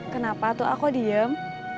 kenapa tuh aku diem